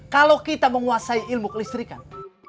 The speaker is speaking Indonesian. kalau kita menguasai ilmu kelistrikan